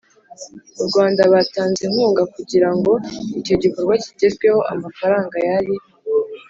mu Rwanda batanze inkunga kugira ngo icyo gikorwa kigerweho Amafaranga yari